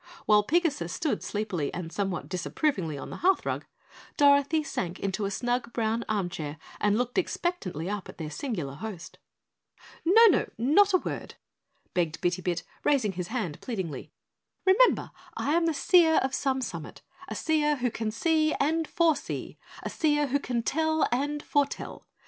While Pigasus stood sleepily and somewhat disapprovingly on the hearth rug, Dorothy sank into a snug brown arm chair and looked expectantly up at their singular host. "No, no, not a word," begged Bitty Bit, raising his hand pleadingly. "Remember, I am the Seer of Some Summit, a seer who can see and foresee; a seer who can tell and foretell.